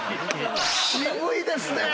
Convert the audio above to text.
渋いですね！